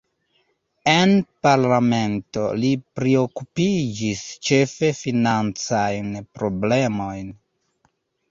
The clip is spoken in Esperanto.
En parlamento li priokupiĝis ĉefe financajn problemojn.